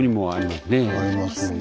ありますね。